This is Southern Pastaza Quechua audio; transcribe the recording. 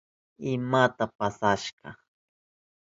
¿Imata pasashka?